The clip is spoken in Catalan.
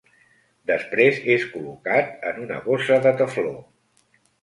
Després és col·locat en una bossa de tefló.